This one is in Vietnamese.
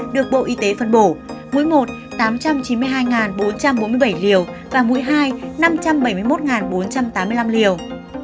được bộ y tế phân bổ mũi một tám trăm chín mươi hai bốn trăm bốn mươi bảy liều và mũi hai năm trăm bảy mươi một bốn trăm tám mươi năm liều